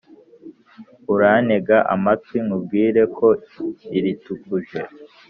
urantege amatwi nkubwire ko iritukuje